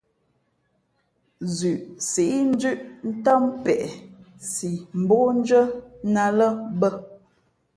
Zʉʼ síʼ ndʉ́ʼ ntám peʼe si mbókndʉ́ά nά ā lά bᾱ.